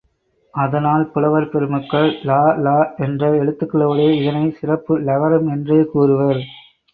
அதனால் புலவர் பெருமக்கள் ல, ள என்ற எழுத்துக்களோடு இதனைச் சிறப்பு ழகரம் என்றே கூறுவர்.